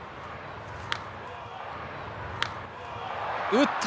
打った！